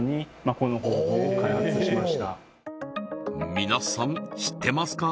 皆さん知ってますか？